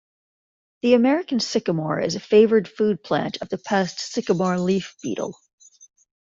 The American sycamore is a favored food plant of the pest sycamore leaf beetle.